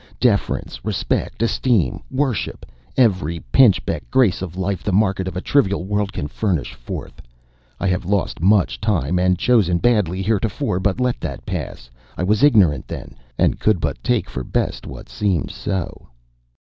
deference, respect, esteem, worship every pinchbeck grace of life the market of a trivial world can furnish forth. I have lost much time, and chosen badly heretofore, but let that pass; I was ignorant then, and could but take for best what seemed so."